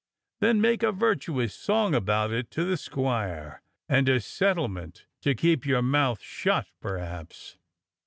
^ Then make a virtuous song about it to the squire, and a settlement to keep your mouth shut, perhaps."